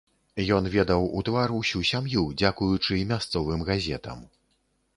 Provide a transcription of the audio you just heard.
Ён ведаў у твар усю сям'ю, дзякуючы мясцовым газетам.